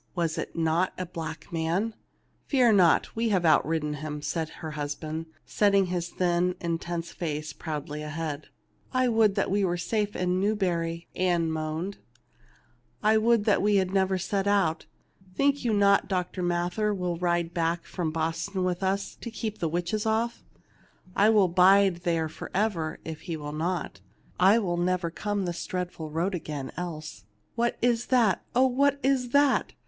" Was it not a black man ?"" Fear not ; we have outridden him," said her husband, setting his thin intense face proudly ahead. "I would w T e were safe home in Newbury," Ann moaned. " I would we had never set out. Think you not Dr. Mather will ride back from Boston with us to keep the witches off ? I will bide there forever, if he will not. I will never come this dreadful road again, else. What is that ? Oh, what is that